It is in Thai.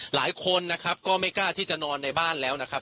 หลายคนนะครับก็ไม่กล้าที่จะนอนในบ้านแล้วนะครับ